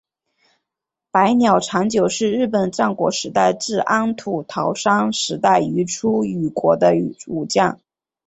白鸟长久是日本战国时代至安土桃山时代于出羽国的武将。